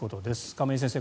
亀井先生